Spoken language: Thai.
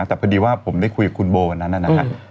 แต่พอดีว่าผมได้คุยกับคุณโบวันนั้นนะครับ